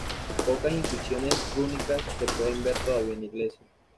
Pocas inscripciones rúnicas se pueden ver todavía en la iglesia.